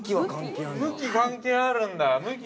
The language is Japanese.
◆向き関係あるんだ。